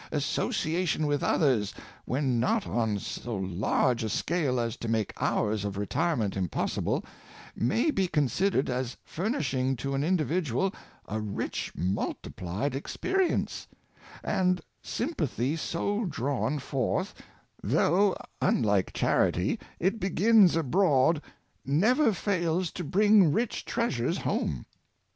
Association with others, when not on so large a scale as to make hours of retirement impossible, may be considered as furnishing to an individual a rich mul tiplied experience; and sympathy so drawn forth, Boyhood of Hemy Mariyn, 125 though, unHke charity, it begins abroad, never fails to bring rich treasures home.